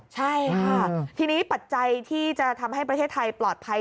ใช่ค่ะทีนี้ปัจจัยที่จะทำให้ประเทศไทยปลอดภัย